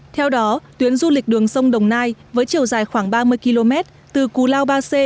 theo đó tuyến du lịch đường sông đồng nai với chiều dài khoảng ba mươi km từ cù lao ba c